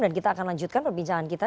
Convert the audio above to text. dan kita akan lanjutkan perbincangan kita